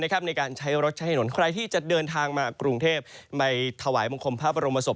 ในการใช้รถใช้ถนนใครที่จะเดินทางมากรุงเทพไปถวายบังคมพระบรมศพ